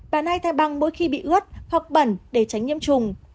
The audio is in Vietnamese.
bạn hãy thay băng mỗi khi bị ướt hoặc bẩn để tránh nhiễm trùng